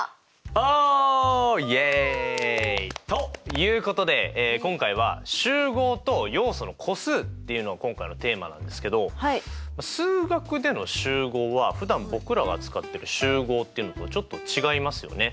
フウ！ということで今回は「集合と要素の個数」っていうのが今回のテーマなんですけど数学での集合はふだん僕らが使ってる集合っていうのとちょっと違いますよね。